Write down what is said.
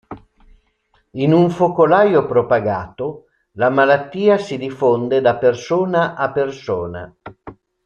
In un focolaio propagato, la malattia si diffonde da persona a persona.